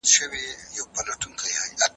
فضا کې ډېره دوړه شته.